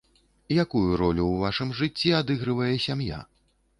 Якую ролю ў вашым жыцці адыгрывае сям'я?